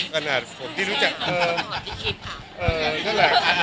กันอ่ะผมที่รู้จักเออ